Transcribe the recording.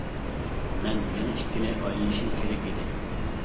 مەن يەنە ئىككىنى ئايلىنىشىم كېرەك ئىدى.